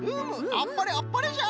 あっぱれあっぱれじゃ！